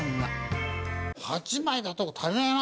８枚だと足りないな。